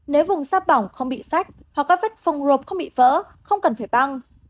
nếu vùng da bỏng không bị sạch hoặc các vết phòng rộp không bị vỡ không cần phải băng